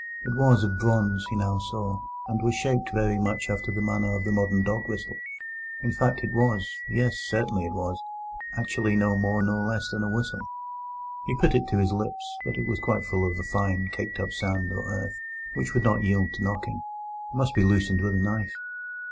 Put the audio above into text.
It was of bronze, he now saw, and was shaped very much after the manner of the modern dog whistle; in fact it was—yes, certainly it was—actually no more nor less than a whistle. He put it to his lips, but it was quite full of a fine, caked up sand or earth, which would not yield to knocking, but must be loosened with a knife.